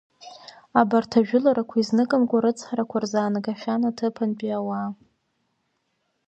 Абарҭ ажәыларақәа изныкымкәан арыцҳарақәа рзаанагахьан аҭыԥантәи ауаа.